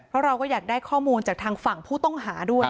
เพราะเราก็อยากได้ข้อมูลจากทางฝั่งผู้ต้องหาด้วย